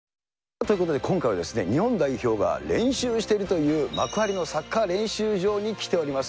ということで、今回は日本代表が練習しているという、幕張のサッカー練習場に来ております。